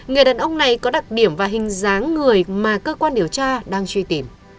người đàn ông này có đặc điểm và hình dáng người mà cơ quan điều tra đang truy tìm